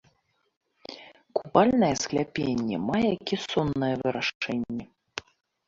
Купальнае скляпенне мае кесоннае вырашэнне.